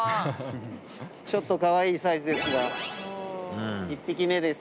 ちょっとかわいいサイズですが１匹目です。